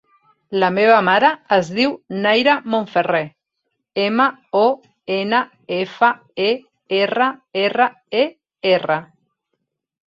La meva mare es diu Nayra Monferrer: ema, o, ena, efa, e, erra, erra, e, erra.